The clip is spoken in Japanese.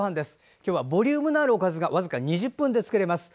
今日はボリュームのあるおかずが僅か２０分で作れます。